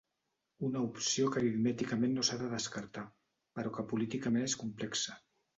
Una opció que aritmèticament no s’ha de descartar, però que políticament és complexa.